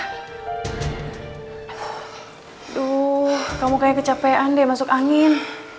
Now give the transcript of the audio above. aduh kamu kayak kecapean deh masuk angin